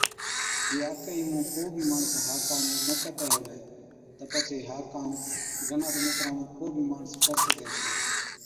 جي آڪهِي مُون ڪو بِي ماڻس ها ڪام نہ ڪتيَ هُوَي تہ پڇي ها ڪام گنات مِترا مُون ڪو بِي ماڻس ڪر سِگھَي ڇَي